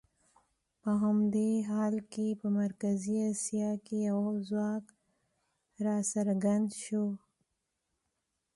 په همدې حال کې په مرکزي اسیا کې یو ځواک راڅرګند شو.